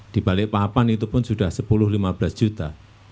di balikpapan itu pun sudah sepuluh lima belas juta